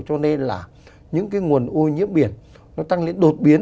cho nên là những cái nguồn ô nhiễm biển nó tăng lên đột biến